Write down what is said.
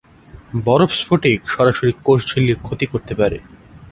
বরফ স্ফটিক সরাসরি কোষ ঝিল্লির ক্ষতি করতে পারে।